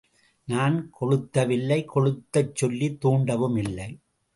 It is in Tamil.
நான் கொளுத்தவில்லை கொளுத்தச் சொல்லித் தூண்டவுமில்லை.